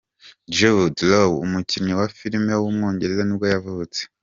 Jude Law, umukinnyi wa filime w’umwongereza nibwo yavutse.